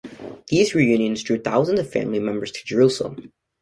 These reunions drew thousands of family members to Jerusalem.